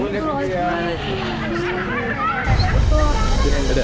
lepas balik tante